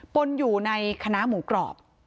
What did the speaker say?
ปนอยู่ในคณะหมูกรอบ